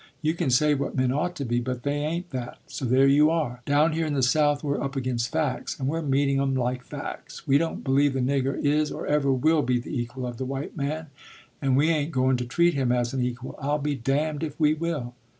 You can say what men ought to be, but they ain't that; so there you are. Down here in the South we're up against facts, and we're meeting 'em like facts. We don't believe the nigger is or ever will be the equal of the white man, and we ain't going to treat him as an equal; I'll be damned if we will.